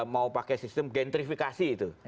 mau pakai sistem gentrifikasi itu